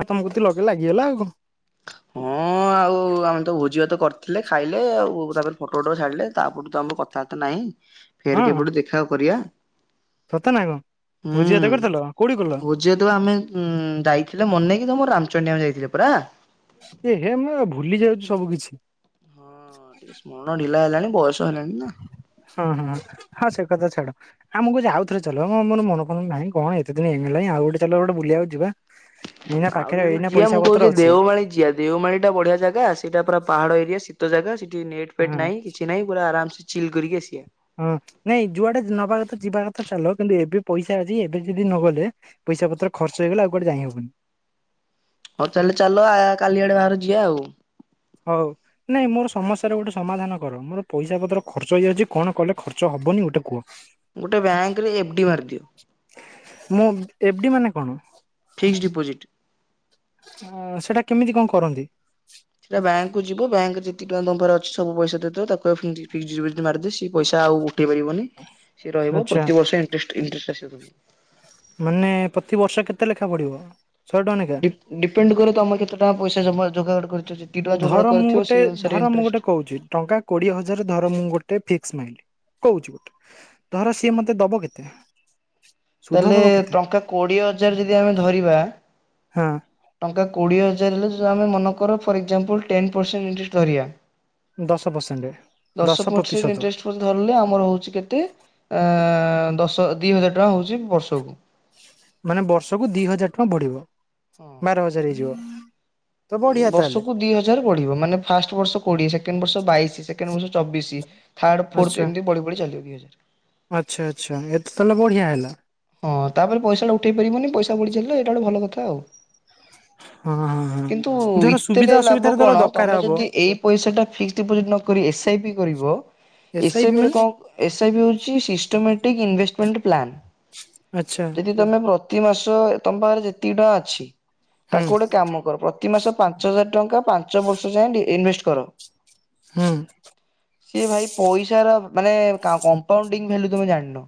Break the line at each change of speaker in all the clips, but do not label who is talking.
ଆ ତମ କତିକି ଲଗେଇଲି ଲାଗିଗଲା ଆଉ କଣ।
ହଁ ଆଉ ଆମେ ତ ଭୋଜି ଭାତ କରିଥିଲେ ଖାଇଲେ ଆଉ ତାପରେ ଫଟୋ ଫଟ ଛାଡିଲେ ତାପରଠୁ ତ ଆମୁ କ ତାର ତ ନାହିଁ ଫେରେ କେବେଠୁ ଦେଖା ଆଉ କରିବା।
ସତେନା କଣ ଭୋଜି ଭାତ କରିଥିଲ କୋଉଠି କଲ?
ଯେହେତୁ ଏ ଆମେ ଉଁ ଯାଇଥିଲେ ମନେଇକି ତମୁ ରାମଚଣ୍ଡୀ ଆମେ ଯାଇଥିଲେ ପରା।
ଏ ହେ ମୁଁ ଭୁଲି ଯାଉଚି ସବୁକିଛି।
ହଁ ଟିକେ ସ୍ମରଣ ଢିଲା ହେଲାଣି ବୟସ ହେଲାଣି ନା।
ହଁ ହଁ ହଁ ସେ କଥା ଛାଡ। ଆମୁକୁ ଯେ ଆଉଥରେ ଚାଲ ଏ ମୋ-ମୋର ମନ ଫନ ନାହିଁ କଣ ଏତେ ଦିନ ହେଇଗଲା ଆଉ ଗୋଟେ ଚାଲ ଗୋଟେ ବୁଲିବାକୁ ଯିବା। ଏଇନା
ଆଉ
ପାଖରେ
ଯଦି
ଏଇନା
ଯିଆ
ପଇସା
ମୁଁ
ପତ୍ର
କୋହୁଚି
ଅଛି
ଦେଓମାଳି ଯିଆ। ଦେଉମାଳିଟା ବଢିଆ ଜାଗା ସେଇଟା ପୁରା ପାହାଡ଼ ଏରିଆ ଶୀତ ଜାଗା ସେଠି ନେଟ୍
ହଁ
ଫେଟ୍ କିଛି ନାହିଁ ପୁରା ଆରାମ ସେ ଚିଲ୍ କରିକି ଆସିିବା।
ହଁ ନାଇଁ ଯୁଆଡେ ଯ୍ ନବା କଥା ଯିବା କଥା ଚାଲ କିନ୍ତୁ ଏବେ ପଇସା ଅଛି ଏବେ ଯଦି ନଗଲେ ପଇସା ପତ୍ର ଖର୍ଚ୍ଚ ହେଇଗଲେ ଆଉ କୁଆଡେ ଯାଇହବନି।
ହଉ ତାହେଲେ ଚାଲ ଆ କାଲି ଆଡେ ବାହାର ଯିବା ଆଉ।
ହଉ। ନାଇଁ ମୋର ସମସ୍ୟାରେ ଗୋଟେ ସମାଧାନ କର ମୋର ପଇସା ପତ୍ର ଖର୍ଚ୍ଚ ହେଇଯାଉଚି କଣ କଲେ ଖର୍ଚ୍ଚ ହବନି ଗୋଟେ କୁହ।
ଗୋଟେ ବ୍ୟାଙ୍କରେ ଏଫ୍ ଡି ମାରିଦିଅ।
ମୁଁ ଏଫ୍ ଡି ମାନେ କଣ?
Fix deposit.
ଆ ସେଟା କେମିତି କଣ କରନ୍ତି?
ସେଟା ବ୍ୟାଙ୍କକୁୁ ଯିବ ବ୍ୟାଙ୍କରେ ଯେତିକି ଟାଙ୍କା ତମ ପାଖରେ ଅଛି ସବୁ ପଇସା ଦେଇଦେବ ତାକୁ କହିବ ଫିଡି ଫିକ୍ସ୍ ପିଡିପୋଜିଟ୍ ମାରଦେ ସିଏ ପଇସା ଆଉ ଉଠେଇ ପାରିବନି ସିଏ ରହିବ
ଆଚ୍ଛା
ପ୍ରତିିବର୍ଷ ଇଣ୍ଟରେଷ୍ଟ୍ ଇଣ୍ଟରେଷ୍ଟ୍ ଆସିବ ତମୁ।
ମାନେ ପ୍ରତିବର୍ଷ କେତେ ଲେଖା ବଢ଼ିବ ଶହେ ଟଙ୍କା ନେଖା?
ଡି ଡିପେଣ୍ଡ କରେ ତମେ କେତେ ଟଙ୍କା ପଇସା ଜମା ଯୋଗାଡ଼ କରିଚ ଯେ
ଧର ମୁଁ ଗୋଟେ ଧର ମୁଁ ଗୋଟେ କୋହୁଚି ଟଙ୍କା କୋଡିଏ ହଜାର ଧର ମୁଁ ଗୋଟେ ଫିକ୍ସ ମାଇଲି କୋହୁଚି ଗୋଟେ ଧର ସିଏ ମତେ ଦବ କେତେ? ସୁଧ
ତାହେଲେ
ଦବ କେତେ
ଟଙ୍କା କୋଡ଼ିଏ ହଜାର ଯଦି ଆମେ ଧରିବା
ହଁ।
ଟଙ୍କା କୋଡିଏ ହଜାର ହେଲେ ଚ ଆମେ ମନେ କର for example ten percent interest ଧିରିବା
ଦଶ ପର୍ସେଣ୍ଟେ ଦଶ
ପରସେଣ୍ଟ
ପ୍ରତିଶତ।
ଇଣ୍ଟରେଷ୍ଟ ଧରିଲେ ଆମର ହୋଉଚି କେତେ ଅ ଦଶ ଦି ହଜାର ଟଙ୍କା ହୋଉଚି ବର୍ଷକୁ।
ମାନେ ବର୍ଷକୁ ଦି ହଜାର ଟଙ୍କା ବଢିବ ବାର ହଜାର ହେଇଯିବ। ତ
ଉଁ
ବଢିଆ ତାହେଲେ।
ବର୍ଷକୁ ଦି ହଜାର ବଢିବ ମାନେ ଫାଷ୍ଟ ବର୍ଷ କୋଡିଏ, ସେକେଣ୍ଡ ବର୍ଷ ବାଇଶି, ସେକେଣ୍ଡ ବର୍ଷ ଚବିଶି। ଥାଡ୍, ଫୋର୍ଥ
ଆଚ୍ଛା
ଏମିତି ବଢି ବଢି ଚାଲିବ ଦି ହଜାରେ।
ଆଚ୍ଛା ଆଚ୍ଛା ଏ ତ ତାହେଲେ ବଢ଼ିଆ ହେଲା।
ହଁ ତାପରେ ପଇସାଟା ଉଠେଇ ପାରିବନି ପଇସା ବଢିଚାଲିଲା ଏଇଟା ଗୋଟେ ଭଲ କଥା ଆଉ।
ହଁ ହଁ ହଁ।
କିନ୍ତୁ
ଧର ସୁବିଧା
ଇତେରେ ଲାଭ
ଅସୁବିଧାରେ ଧର
କଣ
ଦରକାର
ତମେ
ହବ
ଯଦି ଏଇ ପଇସା ଟା ଫିକ୍ସ ଡିପୋଜିଟ ନ କରି ଏସ୍ ଆଇ ପି କରିବ, ଏସ୍ ଆଇ ପି ରେ କଣ କ ଏସ୍ ଆଇ ପି ହୋଉଚି ସିଷ୍ଟମେଟିକ୍ ଇନଭେଷ୍ଟମେଣ୍ଟ ପ୍ଲାନ୍।
ଆଛା।
ଯଦି ତମେ ପ୍ରତି ମାସ, ତମ ପାଖରେ ଯେତିକି ଟଙ୍କା ଅଛି,
ହୁଁ
ତାକୁ ଗୋଟେ କାମ କର ପ୍ରତି ମାସ ପାଞ୍ଚ ହଜାର ଟଙ୍କା ପାଞ୍ଚ ବର୍ଷ ଯାଏଁ ଇନଭେଷ୍ଟ କର।
ହୁଁ।
ଏ ଭାଇ ପଇସାର ମାନେ କମ୍ପାଉଟିଙ୍ଗି ଭାଲୁ ତମେ ଜାଣିନ।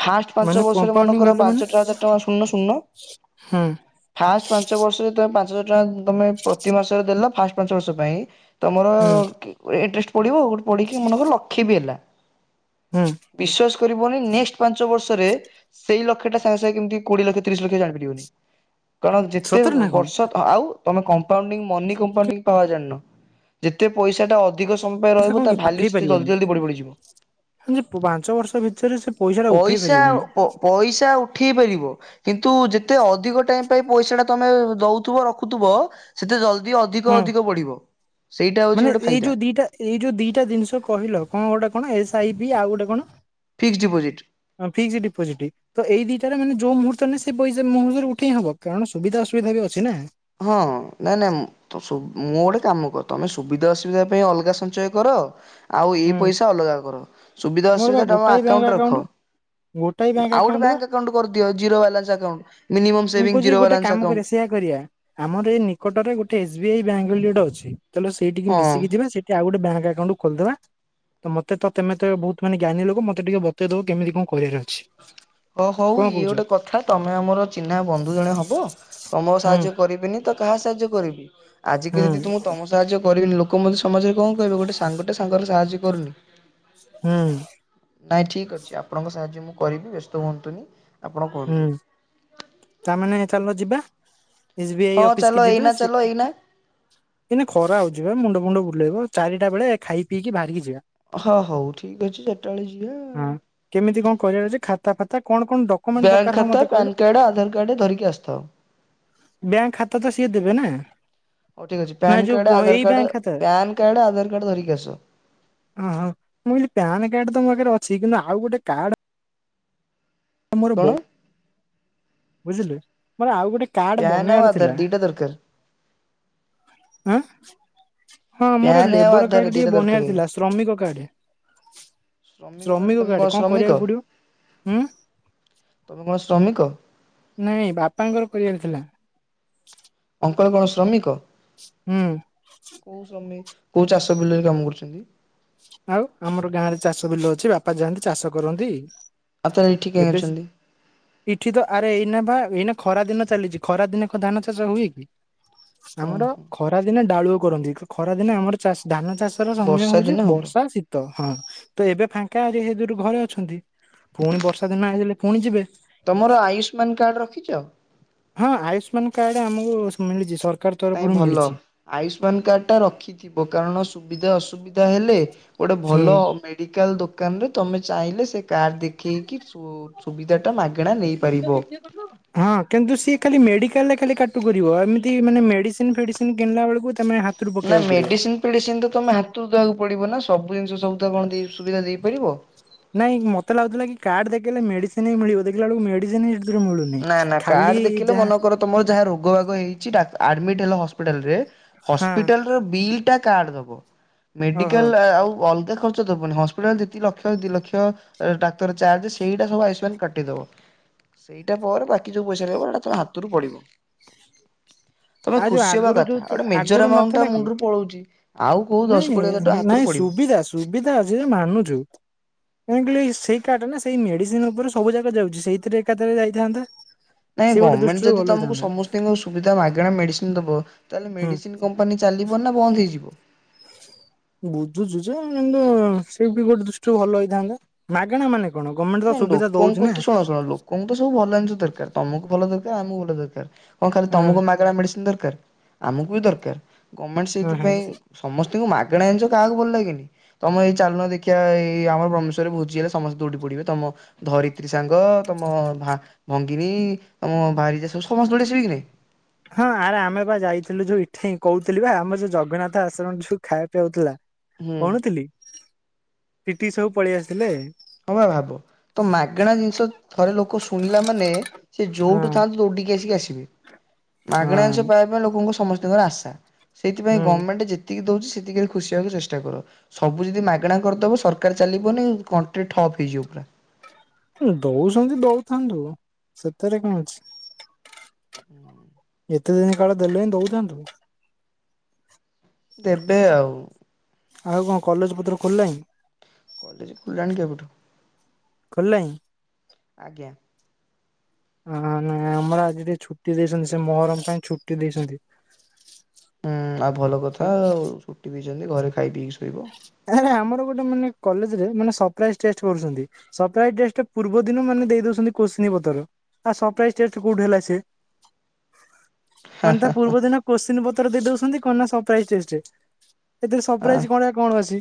ଫାଷ୍ଟ୍ ପାଞ୍ଚ
ମାନେ
ବର୍ଷର ମନେ
କମ୍ପାଉଣ୍ଡିଂ
କର,
ଭାଲ୍ୟୁ ମାନେ
ପାଞ୍ଚ ପାଞ୍ଚଟଙ୍କା ଶୁଣୁନ ଶୁଣୁନ
ହୁଁ
ଫାଷ୍ଟ ପାଞ୍ଚ ବର୍ଷରେ, ତମେ ପାଞ୍ଚ ହଜାର ଟଙ୍କା ତମେ ପ୍ରତି ମାସରେ ଦେଲ, ଫାଷ୍ଟ ପାଞ୍ଚ ବର୍ଷ ପାଇଁ। ତମର
ହୁଁ
ଇଣ୍ଟେଷ୍ଟ ପଡିବ, ଗୋଟେ ପଡ଼ିକି ମନେକର ଲକ୍ଷେ ବି ହେଲା।
ହୁଁ।
ବିଶ୍ଵାସ କରିବନି ନେକ୍ସଟ୍ ପାଞ୍ଚ ବର୍ଷ ଭିତରେ ସେଇ ଲକ୍ଷ ଟା ତମ ପାଇଁ କେମିତି କୋଡିଏ ଲକ୍ଷ ତିରିଶ ଲକ୍ଷ ଜାଣି ପାରିବନି କ କାରଣ ଯେତେ
ସତରେ ନା କଣ?
ବର୍ଷ ଆଉ ତମେ କମ୍ପଆଉଡିଂ ମନି କମ୍ପାଉଣ୍ଡିଂ ପାୱାର ଜାଣିନ। ଯେତେ ପଇସା ଟା ଅଧିକ ସମୟ ପାଇଁ
କଥା କଣ
ରହିବ
କି
ତା ଭାଲ୍ୟୁ
ପଠେଇ
ସେତେ
ପାରିବନି
ଜଲଦି ଜଲଦି ବଢି ବଢିଯିବ।
ଯେ ପାଞ୍ଚ ବର୍ଷ ଭିତରେ ସେ ପଇସାଟା ଉଠାଇ ପାରିବନି।
ପ ପଇସା ଉଠେଇ ପାରିବ କିନ୍ତୁ ଯେତେ ଅଧିକ ଟାଇମ ପାଇଁ ପଇସା ଟା ତମେ ଦଉଥିବ ରଖୁଥିବ ସେତେ ଜଲ୍ଦି ଅଧିକ
ହୁଁ।
ଅଧିକ ବଢ଼ିବ, ସେଇଟା ହେଉଛି
ମାନେ
ଗୋଟେ
ଏଇ ଯୋଉ
ଫାଇଦା।
ଦିଟା ଏଇ ଯେଉଁ ଦୁଇଟା ଜିନିଷ କହିଲ କଣ ଗୋଟେ କଣ ଏ-ସ୍- ଆଇ ବିି ଆଉ ଗୋଟେ କଣ?
Fixed deposit.
କରିଦେଇଛି ଡିପୋଜିଟ୍। ତ ଏଇ ଦିଟାରେ ମାନେ ଯଉ ମୁହୂର୍ତ୍ତରେ ସେଇ ମୂହୁର୍ତ୍ତରେ ଉଠେଇ ହବ କାରଣ ସୁବିଧା ଅସୁବିଧା ବି ଅଛି ନା।
ହଁ ନାଇଁ ନାଇଁ ତ ମୁଁ ଗୋଟେ କାମ କର ତମେ ସୁବିଧା ଅସୁବିଧା ପାଇଁ ଅଲଗା ସଞ୍ଚୟ କର? ଆଉ ଏଇ
ହୁଁ
ପଇସା ଅଲଗା କର ସୁବିଧା
ମୋର ବା
ଅସୁବିଧା ଟା ମ
ଗୋଟାଏ ବ୍ୟାଙ୍କ
ଆକାଉଣ୍ଟରେ
ଆକାଉଣ୍ଟ
ରଖ।
ଗୋଟାଏ ବ୍ୟାଙ୍କ
ଆଉ ଗୋଟେ
ବା
ବ୍ୟାଙ୍କ ଆକାଉଣ୍ଟ କରିଦିଅ zero balance account minimum saving zero balance account.
ସେଇଆ କରିବା ଆମର ଏଇ ନିକଟରେ ଗୋଟେ ଏସ୍-ବି- ଆଇ ବ୍ୟାଙ୍କ ବୋଲି ଗୋଟେ ଅଛି ଚାଲୋ ସେଇଠିକି
ହଁ
ମିଶିକି ଯିବା ସେ ଆଉ ଗୋଟେ ବ୍ୟାଙ୍କ ଆକାଉଣ୍ଟ ଖୋଲିଦବା ତ ମତେ ତତେ ତତେ ତ ବହୁତ ମାନେ ଜ୍ଞାନୀ ଲୋକ ମୋତେ ଟିକେ ବତେଇଦବ କେମିତି କଣ କରିବାର ଅଛି।
ହ ହଉ
କଣ
ଇଏ
କହୁଛ?
ଗୋଟେ କଥା ତମେ ଆମର ଚିହ୍ନା ବନ୍ଧୁ ଜଣେ ହବ ତମ
ହୁଁ
ସାହାଯ୍ୟ କରିବେନି ତ କାହା ସାହାଯ୍ୟ କରିବି?
ହୁଁ
ଆଜିକି ଯଦି ତ ତମ ସାହାଯ୍ୟ କରିବନି ଲୋକ ମଧ୍ୟ ସମାଜରେ କଣ କହିବେ ଗୋଟେ ସାଙ୍ଗଟେ ସାଙ୍ଗରେ ସାହାଯ୍ୟ କରୁନି?
ହୁଁ।
ନାଇଁ ଠିକ ଅଛି ଆପଣଙ୍କ ସାହାଯ୍ୟ ମୁଁ କରିବି ବ୍ୟସ୍ତ ହୁଅନ୍ତୁନି। ଆପଣ
ହୁଁ
କୁହନ୍ତୁ।
ତାମାନେ ଚାଲ ଯିବା? ଏସ୍-ବି-ଆଇ
ହଁ ଚାଲ
ଅଫିସ କି
ଏଇନା
ଯିବା
ଚାଲ
ସେ
ଏଇନା
ଏଇଁନା ଖରା ହଉଛି ବା ମୁଣ୍ଡ ମୁୁଣ୍ଡ ବୁଲେଇବ ଚାରିଟା ବେଳେ ଖାଇ ପିଇକି ବାହାରିକି ଯିବା।
ହଁ ହଉ ଠିକ ଅଛି ଚାରିଟାବେଳେ ଯିବାଉ
ହଁ କେମିତି କଣ କରିବା ଯେ ଖାତା ଫାତା କଣ କଣ ଦ
ବ୍ୟାଙ୍କ ଖାତା, ପାନକାର୍ଡ, ଆଧାରକାର୍ଡ ଧରିକି ଆସିଥାଅ।
ବ୍ୟାଙ୍କ ଖାତା ତ ସିଏ ଦେବେ ନା?
ହଉ ଠିକ ଅଛି
ନା
ପାନକାର୍ଡ,
ଯୋଉ ଏଇ
ଆଧାରକାର୍ଡ,
ବ୍ୟାଙ୍କ ଖାତା
ପାନକାର୍ଡ, ଆଧାରକାର୍ଡ ଧରିକି ଆସ।
ଓହୋ ମୁଁ କହିଲି ପାନ କାର୍ଡ ତ ମୋ ପାଖରେ ଅଛି କିନ୍ତୁ ଆଉ ଗୋଟେ କାର୍ଡ ମୋର
କଣ
ବଉ ବୁଝିଲି ମୋର ଆଉ ଗୋଟେ କାର୍ଡ
ପ୍ୟାନ୍ ଆଉ
ବନେଇବାର
ଆଧାର
ଥିଲା
ଦିଟା ଦରକାର
ଆ ହଁ ମୋର
ପ୍ୟାନ୍ ଆଉ
ଲେବର
ଆଧାର
କାର୍ଡ ଟିକେ
ଦିଟା
ବନିବାର
ଦରକାର।
ଥିଲା ଶ୍ରମିକ କାର୍ଡ।
ଶ୍ରମିକ କାର୍ଡ ତମେ
ଶ୍ରମିକକାର୍ଡ କଣ
ଶ୍ରମିକ
କରିବାକୁ ପଡିବ? ହୁଁ।
ତମେ କଣ ଶ୍ରମିକ?
ନାଇଁ ବାପାଙ୍କର କରିବାର ଥିଲା।
ଅନକଲ୍ କଣ ଶ୍ରମିକ?
ହୁଁ।
କୋଉ ଚାଷ ବିଲରେ କାମ କରୁଛ?
ଆଉ, ଆମର ଗାଁ ରେ ଚାଷ ବିଲ ଅଛି। ବାପା ଯାଆନ୍ତି ଚାଷ କରନ୍ତି।
ଆଉ ତାହେଲେ ଏଠି କାହିଁ
ଏବେ ଯେ
ଅଛନ୍ତି
ଇଠି ତ ଆରେ ଏଇନା ବା ଏଇନା ଖରା ଦିନ ଚାଲିଛି। ଖରା ଦିନେ ଧାନ ଚାଷ ହୁଏ କି? ଆମର
ଓହୋ।
ଖରା ଦିନେ ଡାଳୁଅ କରନ୍ତି। ଖରା ଦିନେ ଆମର ଚାଷ୍ ଧାନ ଚାଷ ର ସମୟ
ବର୍ଷା
ହଉଛି
ଦିନେ ହବ
ଆ ଶୀତ ହଁ, ତ ଏବେ ଫାଙ୍କା ଯେହେତୁରୁ ଘରେ ଅଛନ୍ତି। ପୁଣି ବର୍ଷା ଦିନ ଆଇଲେ, ପୁଣି ଯିବେ।
ତମର ଆୟୁଷ୍ମାନ କାର୍ଡ ରଖିଛ?
ହଁ, ଆୟୁଷ୍ମାନ କାର୍ଡ ଆମକୁ ମିଳିଛି। ସର୍
ନାଇଁ ଭଲ। ଆୟୁଷ୍ମାନ କାର୍ଡ ଟା ରଖିଥିବ। କାରଣ ସୁବିଧା ଅସୁବିଧା ହେଲେ ଗୋଟେ ଭଲ
ହୁଁ।
ମେଡ଼ିକାଲ୍ ଦୋକାନରେ ତମେ ଚାହିଁଲେ, ସେ କାର୍ଡ଼ ଦେଖେଇକି, ସୁ ସୁବିଧାଟା ମାଗେଣା ନେଇପାରିବ।
ହଁ, କିନ୍ତୁ ସିଏ ଖାଲି ମେଡିକାଲ୍ ରେ ଖାଲି କାଟୁ କରିବ। ଏମିତି ମାନେ ମେଡିସିନ୍ ଫେଡିସିନ୍ କିଣିଲା ବେଳକୁ ତମେ ହାତ୍
ନା ମେଡିସିନ୍ ମେଡ଼ିସିନ୍ ତ ତମେ ହାତରୁ ଦବାକୁ ପଡ଼ିବ ନା, ସବୁ ଜିନିଷ ସବୁ ତ କଣ ତ ସୁବିଧା ଦେଇପାରିବ?
ନାଇଁ ମତେ ଲାଗୁଥିଲା କି, କାର୍ଡ ଦେଖେଇଲେ ମେଡିସିନ୍ ହି ମିଳିବ। ଦେଖିଲା ବେଳକୁ ମେଡିସିନି ଗୁରୁ ମିଳୁନି,
ନା ନା କାର୍ଡ
ଖାଲି
ଦେଖିଲେ
ଯାହା
ମନେକର ତମର ଯାହା ରୋଗ ବାଗ ହେଉଛି, ଡ଼ା ଆଡମିଡ୍ ହେଲ ହସ୍ପିଟାଲରେ
ହଁ
ହସ୍ପିଟାଲ ର ବିଲ୍ ଟା କାର୍ଡ ଦବ।
ଓହୋ
ମେଡିକାଲ୍ ଆଉ ଅଲଗା ଖର୍ ର୍ଚ ଦବନି। ହସ୍ପିଟାଲ୍ ଯେତେ ଲକ୍ଷ, ଦି ଲକ୍ଷ, ଡାକ୍ତର ଚାର୍ଜ ସେଇଟା ସବୁ ଆୟୁଷ୍ମାନ କାଟିଦବ। ଏଇଟା ପରେ ବାକି ଯଉ ପଇସା ରହିବ, ହେଇଟା ତମ ହାତରୁ ପଡ଼ିବ। ତମେ
ଆଉ ଯୋଉ
ଖୁସି ହବା
ଆଗରୁ
କଥା।
ଯୋଉ ଥି-
ଗୋଟେ ମେଜର
ଆଗରୁ
ଏମାଉଣ୍ଟ ଟା
ନଥିଲା କି?
ମୁଣ୍ଡରୁ ପଳଉଛି। ଆଉ କୋଉ
ନାଇଁ
ଦଶ କୋଡିଏ ଟଙ୍କା ହାତରୁ
ନାଇଁ,
ପଡିବ।
ସୁବିଧା ସୁବିଧା ଅଛି ମାନୁଛୁ। କାଇଁ କହିଲ, ଏ ସେଇ କାଡ ନା, ସେଇ ମେଡିସିନ୍ ଉପରେ ସବୁ ଜାଗ ଯାଉଛି। ସେଇଥିରେ ଏକାଥରେ ଯାଇଥାନ୍ତା।
ନାଇଁ
ସେ ଗୋଟେ
ଗଭ୍ମେଣ୍ଟ
ଦୃଷ୍ଟିରୁ
ଯଦି
ଭଲ
ତମକୁ
ହେଇଥାନ୍ତା
ସମୋସ୍ ତେଣୁ ସୁବିଧା ମାଗଣା ମେଡିସିନ୍ ଦବ। ତାହେଲେ
ହୁଁ।
ମେଡିସିନ୍ କମ୍ପାନୀ ଚାଲିବ ନା ବନ୍ଦ ହେଇଯିବ?
ବୁଝୁଛୁ ଯେ, କିନ୍ତୁ ସେବି ଗୋଟେ ଦୃଷ୍ଟିରୁ ଭଲ ହେଇଥାନ୍ତା ମାଗେଣା ମାନେ କଣ ଗଭ୍ମେଣ୍ଟ ତ ସୁବିଧା ଦଉଛି ନା?
ତମ କୁ ତ ସବୁ ଭଲ ଜିନଷ ଦରକାର। ତମକୁ ଭଲ ଦରକାର, ଆମକୁ ଭଲ ଦରକାର। କଣ ଖାଲି ତମକୁ ମାଗଣା ମେଡ଼ିସିନ୍ ଦରକାର? ଆମକୁ ବି ଦରକାର। ଗଭ୍ମେଣ୍ଟ
ହଁ ହଁ
ସେଇଥିପାଇଁ ସମସ୍ତଙ୍କୁ ମାଗଣା ଇନିଷ କାହାକୁ ଭଲ ଲାଗେନି? ତମେ ଏଇ ଚାଲୁନ ଦେଖିବା, ଏଇ ଆମ ବ୍ରମେଶ୍ୱରରେ ଭୁଜି ହେଲେ ସମସ୍ତେ ଦୌଡି ପଡିବେ। ତମ ଧରିତ୍ରୀ ସାଙ୍ଗ ତମ ଭା ଭଙ୍ଗିନୀ, ତମ ଭାରିଜା ସବୁ ସମସ୍ତେ ଦୗଡି ଆସିବେ କି ନାହିଁ?
ହଁ, ଆରେ ଆମେ ବା ଯାଇଥିଲୁ ଯୋଉ ଇଠେଇଁ କହୁଥିଲି ବା ଆମର ଯୋଉ ଜଗନ୍ନାଥ ଆଶ୍ରମ ଯୋଉ ଖାଇବା ପିଆ ହଉଥିଲା।
ହୁଁ
କହୁଣଥିଲି ଇଠିକି ସବୁ ପଳେଇ ଆସିଲେ।
ହଁ ବା, ଭାବ! ତ ମାଗଣା ଜିନିଷ ଥରେ ଲୋକ ଶୁଣିଲା, ମାନେ ସେ
ହଁ
ଯୋଉଠୁ ଥାଆନ୍ତୁ, ଦୋଡ଼ିକି ଆସିକି ଆସିବେ। ମାଗଣା ଇଂଶ
ହଁ
ପାଇବା ପାଇଁ ଲୋକଙ୍କ ସମସ୍ତଙ୍କର ଆଶା। ସେଥିପାଇଁ ଗଭର୍ଣ୍ମେଣ୍ଟ ଯେ ଯେତିକି ଦଉଛି ସେତିକିରେ ଖୁସିିହବାକୁ ଚେଷ୍ଟା କର। ସବୁ ଯଦି ମାଗଣା କରିଦବ, ସରକାର ଚାଲିବନେଇଁ କନ୍ ଟ୍ରି ଠପ୍ ହେଇ ଯିବ ପୁରା।
ଦଉସନ୍ତି ଦଉଥାନ୍ତୁ, ସେଥେରେ କଣ ଅଛି? ଏତେ ଦିନ କାଳ ଦେଲେଣି ଦଉଥାନ୍ତୁ।
ଦେବେ ଆଉ।
ଆଉ କଣ, କଲେଜ ପତ୍ର ଖୋଲିଲାଇଁ?
କଲେଜ ଖୁଲିଲାଣି କେବେଠୁ।
ଖୋଲ୍ ଲାଇଁ?
ଆଜ୍ଞା।
ହଁ, ନାଇଁ, ଆମର ଆଜି ଟିକେ ଛୁଟି ଦେଇସନ୍ତି। ସେ ମହରମ୍ ପାଇଁ ଛୁଟି ଦେଇଛନ୍ତି।
ହୁଁ, ଆଉ ଭଲ
ସେ
କଥା ଆଉ। ଛୁଟି ଦେଇଛନ୍ତି, ଘରେ ଖାଇ ପିଇକି ଶୋଇବ।
ଆରେ ଆମର ଗୋଟେ ମାନେ କଲେଜ୍ ରେ ମାନେ ସରପ୍ରାଇଜ ଟେଷ୍ଟ କରୁଛନ୍ତି। ସରପ୍ରାଇଜ ଟେଷ୍ଟ ପୂର୍ବ ଦିନ ମାନେ ଦେଇ ଦଉଛନ୍ତି କୋଶ୍ଚି ପତର। ଆ ସରପାଇଜ କୋଉଠି ହେଲା ସେ। ମାନେ ତା ପୂର୍ବ ଦିନ କୋଶ୍ଚି ପତ୍ର ଦେଇ ଦଉଛନ୍ତି କଣ ନା ସରପ୍ରାଇଜ ଟେଷ୍ଟ। ଏଥିରେ
ଆ
ସରପ୍ରାଇଜ କନିଆ କଣ ଅଛି।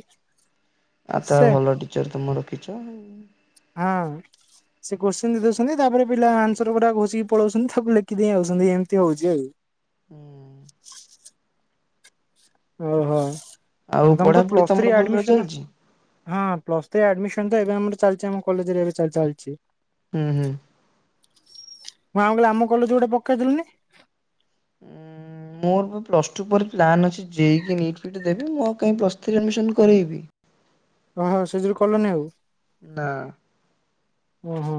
ଆଉ ତା
ସେ
ଭଲ ଟିଚର ତମେ ରଖିଛ ଆଉ।
ହଁ। ସେ କୋଶ୍ଚିନ ଦଉଛନ୍ତି ତାପରେ ପିଲା ଆନ୍ସର ପୁରା ଘୋଷିକି ପଳଉଛନ୍ତି ତାକୁ ଲେଖି ଦେଇ ଆସଉଛନ୍ତି ଏମିତି ହଉଛି ଆଉ।
ହୁଁ।
ଓହୋ
ଆଉ
ତମ ତ
ପଢାପଢି
ପ୍ଲସ
ତମର
ଥ୍ରୀ
ଭଲରେ
ଆଡମିସନ୍।
ଚାଲିଛି
ହଁ ପ୍ଲସ୍ ଥ୍ରୀ ଆଡ୍ମିସନ ତ ଏବେ ଆମର ଚାଲିଛି ଆମ କଲେଜରେ ଏବେ ଚାଲିଛି।
ହୁଁ ହୁଁ।
ମୁଁ ଆ କହିଲି ଆମ କଲେଜ ଗୋଟେ ପକେଇଦେଲନି
ହୁଁ। ମୋର ପ୍ଲସ୍ ଟୁ ପରେ ପ୍ଲାନ୍ ଅଛି ଜେଇକି ନିଟ୍ ଫିଟ ଦେବି ମୁଁ ଆ କାଇଁ ପ୍ଲସ୍ ଥ୍ରୀରେ ଆଡମିସନ୍ କରେଇବି।
ଓହୋ ସେଥିୋରୁ କଲନି ଆଉ।
ନା।
ଓ ହୋ।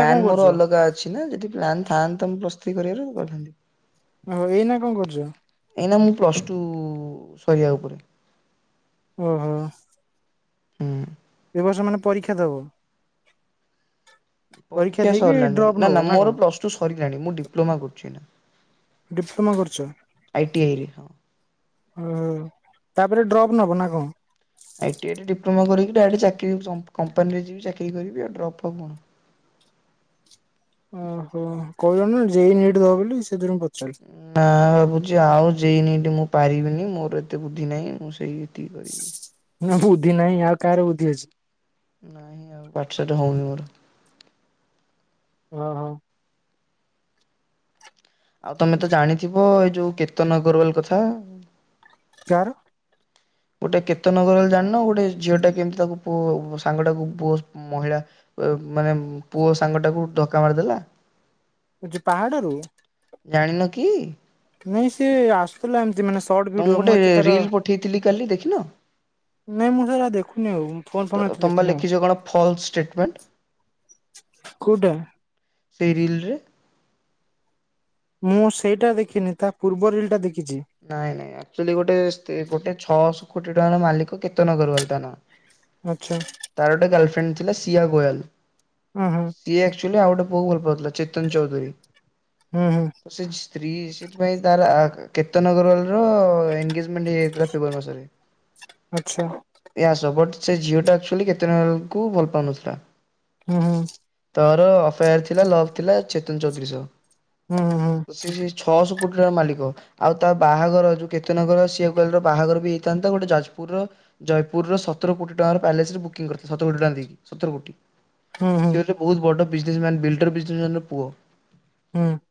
ପ୍ଲାନ ମୋର ଅଲଗା ଅଛି ନା ଯଦି ପ୍ଲାନ ଥାଆନ୍ତା ମୁଁ ପ୍ଲସ୍ ଥ୍ରୀ କରିବାର କହିଥାନ୍ତି।
ଓହୋ ଏଇ ନା କଣ କରୁଛ?
ଏଇନା ମୁଁ ପ୍ଲସ୍ ଟୁ ସରିବା ଉପରେ।
ଓହୋ।
ହୁଁ
ଏ ବର୍ଷ ମାନେ ପରୀକ୍ଷା ଦବ?
ପରୀକ୍ଷା
ଦେଇକି
ସରିଲାଣି
ଡ୍ରପ୍
ନା
ନବ
ନା ମୋର
କଣ
ପ୍ଲସ ଟୁ ସରିଲାଣି ମୁଁ ଡିପ୍ଲୋମା କରୁଛି ଏଇନା
ଡିପ୍ଲୋମା କରୁଛ।
ଆଇ ଟି ଆଇ ରେ ହଁ
ଓ ତାପରେ ଡ୍ରପ୍ ନବ ନା କଣ?
ଆଇଟିଆଇ ରେ ଡିପ୍ଲୋମା କରିକି ଡାଇରେକ୍ଟ ଚାକିରି କ- କ-କମ୍ପାନୀରେ ଚାକିରି କରିବି ଆଉ ଡ୍ରପ୍ ଫପ୍ କଣ।
ଓହୋ କହିଲ ନି ଜେଇ ନିଟ୍ ଦବ ବୋଲି ସେଥିରୁ ମୁଁ ପଚାରିଲି।
ନା ଭାବୁଛି ଆଉ ଯାଇନି ଏଠି ମୁଁ ପାରିବିନି ମୋର ଏତେ ବୁଦ୍ଧି ନାହିଁ ମୁଁ ସେହିଠି କରିବି।
ନା ବୁଦ୍ଧି ନାହିଁ ଆଉ କାହାର ବୁଦ୍ଧି ଅଛି।
ନାଇଁ ଆଉ ପାଠ ସାଠ ହଉନି ମୋର।
ଓ ହୋ।
ଆଉ ତମେ ତ ଜାଣିଥିବ ଏଇ ଯୋଉ କେତନ୍ ଅଗ୍ରୱାଲ କଥା।
କାହାର?
ଗୋଟେ କେତନଗର ହେଲେ ଜାଣିନ ଗୋଟେ ଝିଅଟା କେମିତି ତାକୁ ପୁଅ ସାଙ୍ଗଟାକୁ ପୁଅ ମହିଳା ମାନେ ପୁଅ ସାଙ୍ଗ ଟାକୁ ଧକ୍କା ମାରିଦେଲା।
ଯୋଉ ପାହାଡ଼ରୁୁ।
ଜାଣିନ କି?
ନାଇଁ ସିଏ ଆସୁଥିଲା ଏମିତି ମାନେ ସର୍ଟ ଭିଡିଓ ମୁଁ ଏତେ ତାର
ଠେଇଥିଲି କାଲି ଦେଖିନ?
ନାଇଁ ମୁଁ ସେରା ଦେଖୁନି ଆଉ ଫୋନ୍ ଫୋନ୍ ଏତେ
ତମେ ବା
ଦେଖିନି ଆଉ।
ଲେଖିଛ କଣ ଫଲସ ଷ୍ଟେଟମେଣ୍ଟ
କୋଉଟା?
ସେଇ ରିିଲ୍ରେ।
ମୁଁ ସେଇଟା ଦେଖିନି ତା ପୂର୍ବ ରିଲ୍ ଟା ଦେଖିଛି।
ନାଇଁ ନାଇଁ ଆକ୍ଚୁଆଲି ଗୋଟେ ଗୋଟେ ଛଅଶହ କୋଟି ଟଙ୍କାର ମାଲିକ କେତେନ ଗରୱାଲ୍ ତା ନା
ଆଚ୍ଛା।
ତାର ଗୋଟେ ଗାର୍ଲଫ୍ରେଣ୍ଡ ଥିଲା ସିଆ ଗୋୟାଲ୍।
ଉ ହୁଁ
ସିଏ ଆକଚୁଆଲି ଆଉ ଗୋଟେ ପୁଅ କୁ ଭଲ ପାଉଥିଲା ଚେତନ୍ ଚୌଧୁରୀ।
ହୁଁ ହୁଁ।
ତ ସେ ସ୍ତ୍ରୀ ସେଥିପାଇଁ ତାର କେତନ୍ ଅଗ୍ରୱାଲ ର ପ ଏନ୍ଗେଜମେଣ୍ଟ ହେଇଯାଇଥିଲା ଫେବୃଆରୀ ମାସରେ।
ଆଚ୍ଛା
ଏଇଆ ବଟ୍ ସେ ଝିଅଟା ଆକ୍ଚୁଆଲି କେତନ୍ ଅଗ୍ରୱାଲ କୁ ଭଲ ପାଉନଥିଲା।
ହୁଁ ହୁଁ
ତାର ଅଫେୟାର ଥିଲା ଲଭ୍ ଥିଲା ଚେତନ୍ ଚୌଧୁରୀ ସହ।
ହୁଁ ହୁଁ ହୁଁ।
ସେ ଛଅଶହ କୋଟି ର ମାଲିକ। ଆଉ ତା ବାହାଘର ଯୋଉ କେତନ୍ ଅଗ୍ରୱାଲ ସିଆ ଅଗ୍ରୱାଲ ବାହାଘର ବି ହେଇଥାନ୍ତା ଗୋଟେ ଯାଜପୁରର ଜୟପୁର ର ସତର କୋଟି ଟଙ୍କାର ପ୍ୟାଲେସ ରେ ବୁକିଂ କରି ସତର କୋଟି ଟଙ୍କା ଦେଇକି ସତର କୋଟି।
ହୁଁ
ସେ
ହୁଁ
ହଉଚି ବହୁତ ବଡ଼ ବିଜନେସ୍ ମ୍ୟାନ୍ ବିଲ୍ଡର ବିଜନେସ୍ ମ୍ୟାନର ପୁଅ।
[inaudible]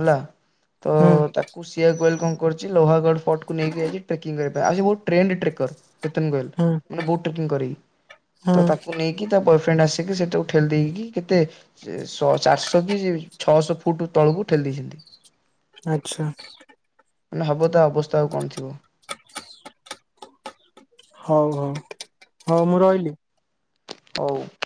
ଅଲା, ତ
ହୁଁ
ତା ସିଆ କୁ ୱେଲକମ୍ କରିଚି, ଲୋହାଗଡ଼ ଫୋର୍ଟକୁ ନେଇକି ଯାଇଚି ଟ୍ରେକିଙ୍ଗ କରିବା ପାଇଁ। ଆଉ ସେ ବହୁତ୍ ଟ୍ରେଣ୍ଡ ଟ୍ରେକର୍। କେତନ୍ ଅଗ୍ରୱାଲ
ହୁଁ
ମାନେ ବୋଟ ଟ୍ରେକିଂ କରେ। ତ
ହୁଁ
ତାକୁ ନେଇ କି ତା ବୟଫ୍ରେଣ୍ଡ ଆସିକି ସେ ତାକୁ ଠେଲି ଦେଇକି କେତେ ସେ ଶ ଚାରିଶହ କି ଛଅଶହ ଫୁଟ୍ ତଳକୁ ଠେଲି ଦେଇଛନ୍ତି।
ଆଚ୍ଛା।
ମାନେ ହବ ତା ଅବସ୍ଥା ଆଉ କଣ ଥିବ।
ହଉ ହଉ, ହଉ ମୁଁ ରହିଲି।
[unintelligible]